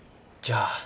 じゃあ。